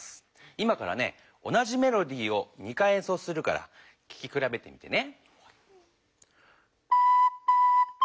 今からね同じメロディーを２回えんそうするからききくらべてみてね。